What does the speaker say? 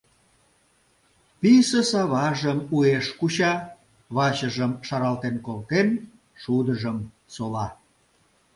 Писе саважым уэш куча, вачыжым шаралтен колтен, шудыжым сола.